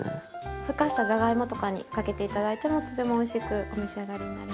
ふかしたじゃがいもとかにかけて頂いてもとてもおいしくお召し上がりになれます。